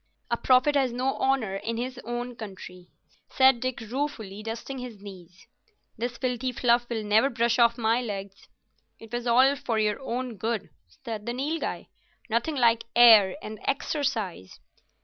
"A prophet has no honour in his own country," said Dick, ruefully, dusting his knees. "This filthy fluff will never brush off my legs." "It was all for your own good," said the Nilghai. "Nothing like air and exercise."